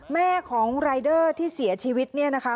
แม่ของรายเดอร์ที่เสียชีวิตเนี่ยนะคะ